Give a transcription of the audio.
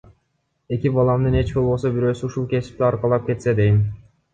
Эки баламдын эч болбосо бирөөсү ушул кесипти аркалап кетсе дейм.